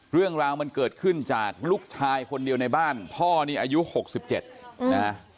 เรื่องราวมันเกิดขึ้นจากลูกชายคนเดียวในบ้านพ่อนี่อายุ๖๗นะ